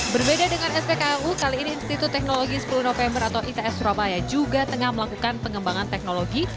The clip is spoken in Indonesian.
berbeda dengan spku kali ini institut teknologi sepuluh november atau its surabaya juga tengah melakukan pengembangan teknologi